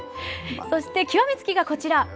そして極め付きがこちら！